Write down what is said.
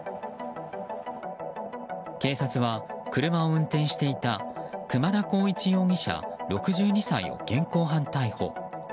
警察は車を運転していた熊田幸一容疑者、６２歳を現行犯逮捕。